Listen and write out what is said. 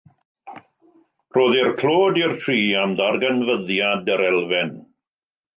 Rhoddir clod i'r tri am ddarganfyddiad yr elfen.